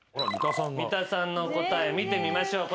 三田さんの答え見てみましょう。